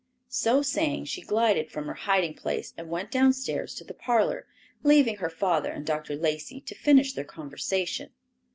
So saying, she glided from her hiding place and went down stairs to the parlor, leaving her father and Dr. Lacey to finish their conversation.